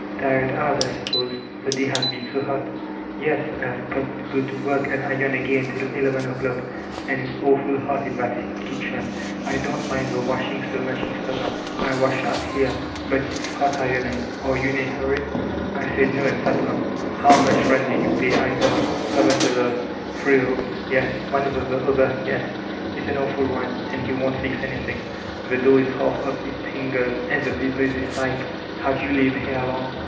'Tired out, I suppose. The day has been so hot" ''Yes, and Tve got to go to work and iron again till eleven o'clock, and it's awful hot in that kitchen* I don't mind the washing so much in summer; I wash out here But it's hot ironing. Are you in a hurry?" I sakl no, and sat on. ''How much rent do yoo pay?^ I asked. "Seven dollars. inree rooms r "Yes." "One over the other?" "Yes. It*s an awful rent, and he won*t fix The door is half off its hinges, and the psyterts a sight' "Have you lived here k>ng?